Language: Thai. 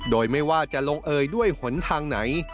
โดยไม่ว่าจะลงเอยด้วยหนทางไหน